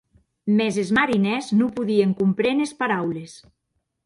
Mès es marinèrs non podien compréner es paraules.